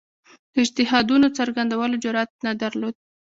د اجتهادونو څرګندولو جرئت نه درلود